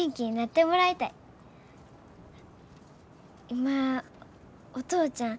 今お父ちゃん